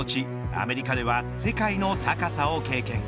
アメリカでは世界の高さを経験。